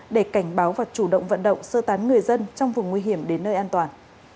để cảnh báo và chủ động vận động sơ tán người dân trong vùng nguy hiểm đến nơi an toàn